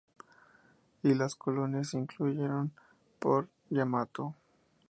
Y las colonias se incluyeron por Yamato.